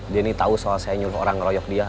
dia ini tahu soal saya nyuruh orang ngeroyok dia